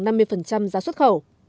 nó có khoảng năm mươi giá xuất khẩu